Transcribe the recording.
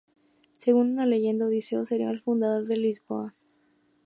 Según una leyenda, Odiseo seria el fundador de Lisboa.